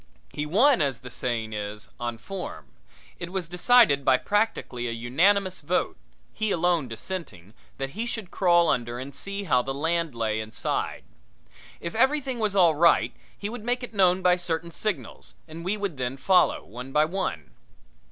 He won, as the saying is, on form. It was decided by practically a unanimous vote, he alone dissenting, that he should crawl under and see how the land lay inside. If everything was all right he would make it known by certain signals and we would then follow, one by one.